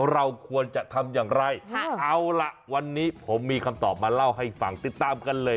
เราควรจะทำอย่างไรเอาล่ะวันนี้ผมมีคำตอบมาเล่าให้ฟังติดตามกันเลย